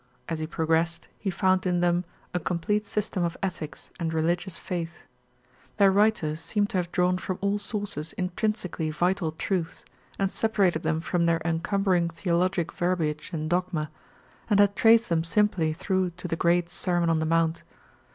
As he progressed he found in them a complete system of ethics and religious faith. Their writer seemed to have drawn from all sources intrinsically vital truths, and separated them from their encumbering theologic verbiage and dogma, and had traced them simply through to the great "Sermon on the Mount."